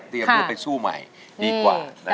เตรียมเลยไปสู้ใหม่ดีกว่านะครับ